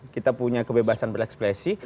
kita punya kebebasan berekspresi